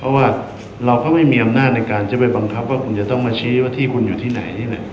เพราะว่าเราก็ไม่มีอำนาจในการจะไปบังคับว่าคุณจะต้องมาชี้ว่าที่คุณอยู่ที่ไหน